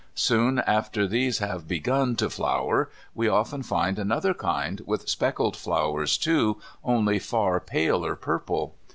Soon after these have begun to flower we often find another kind, with speckled flowers too, only far paler purple.